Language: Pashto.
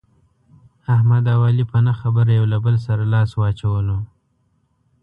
احمد او علي په نه خبره یو له بل سره لاس واچولو.